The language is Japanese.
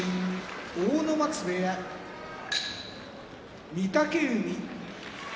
阿武松部屋御嶽海